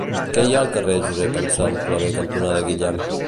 Què hi ha al carrer Josep Anselm Clavé cantonada Guillem?